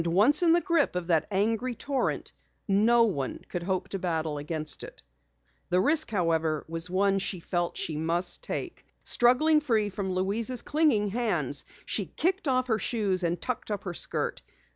Once in the grip of that angry torrent, no one could hope to battle against it. The risk, however, was one she felt she must take. Struggling free from Louise's clinging hands, she kicked off her shoes and tucked up her skirt.